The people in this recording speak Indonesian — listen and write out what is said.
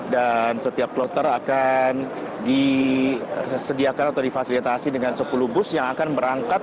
dan setiap kloter akan disediakan atau difasilitasi dengan sepuluh bus yang akan berangkat